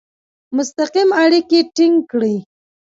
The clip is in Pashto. مستقیم اړیکي ټینګ کړي.